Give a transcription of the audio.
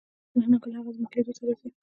کله نا کله هغه زمونږ لیدو ته راځي